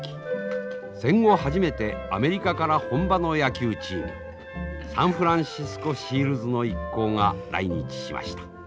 戦後初めてアメリカから本場の野球チームサンフランシスコ・シールズの一行が来日しました。